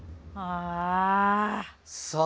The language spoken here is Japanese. ああ。